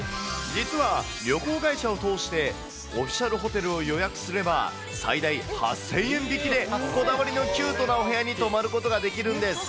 実は旅行会社を通して、オフィシャルホテルを予約すれば、最大８０００円引きで、こだわりのキュートはお部屋に泊まることができるんです。